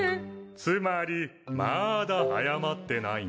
つまりまだ謝ってないんだね？